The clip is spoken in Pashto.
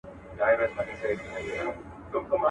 نه یې شور سته د بلبلو نه یې شرنګ سته د غزلو